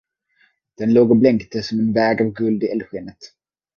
Den låg och blänkte som en väg av guld i eldskenet.